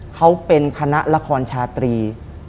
เขาเป็นคณะละครชาตรี